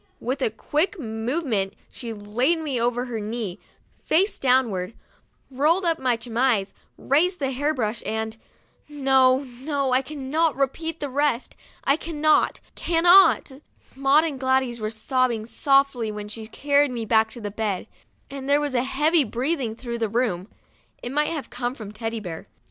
With a quick move ment she laid me over her knee, face downward, rolled up my chemise, raised the hair brush, and no, no, I cannot repeat the rest, I cannot, cannot. Maud and Gladys were sobbing softly when she carried me back to bed, and there was a heavy breathing through the room ; it might have come from Teddy Bear.